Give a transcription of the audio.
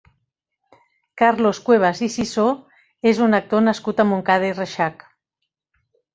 Carlos Cuevas i Sisó és un actor nascut a Montcada i Reixac.